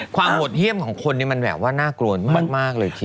ความโหดเฮี่ยมของคนนี้มันแบบว่าน่ากลวนมากเลยที